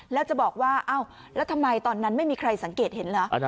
แล้วจะบอกว่าอ้าวแล้วทำไมตอนนั้นไม่มีใครสังเกตเห็นเหรอ